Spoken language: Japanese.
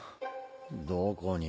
どこに？